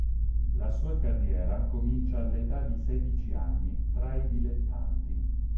La sua carriera comincia all'età di sedici anni tra i dilettanti.